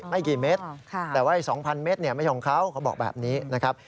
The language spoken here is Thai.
ไม่กี่เมตรแต่ว่า๒๐๐เมตรไม่ใช่ของเขาเขาบอกแบบนี้นะครับ